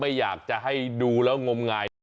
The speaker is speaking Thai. ไม่อยากจะให้ดูแล้วงมงาย